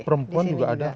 perempuan juga ada